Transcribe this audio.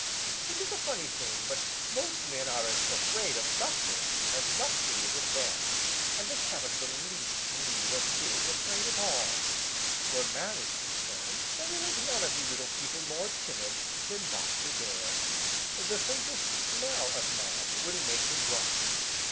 It is a funny thing, but most men are as afraid of Buster as Buster is of them, and they haven't the least need of being afraid at all. Where man is concerned there isn't one of you little people more timid than Buster Bear. The faintest smell of man will make him run.